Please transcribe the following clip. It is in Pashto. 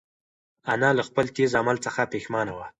انا له خپل تېز عمل څخه پښېمانه وه.